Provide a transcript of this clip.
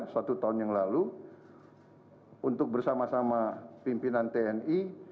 satu tahun yang lalu untuk bersama sama pimpinan tni